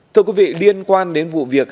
thưa quý vị liên quan đến vụ việc